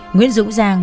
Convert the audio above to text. nguyễn dũng giang